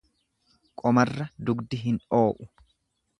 Qomarra dugdi hin oo'u.